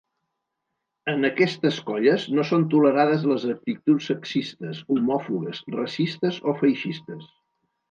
En aquestes colles no són tolerades les actituds sexistes, homòfobes, racistes o feixistes.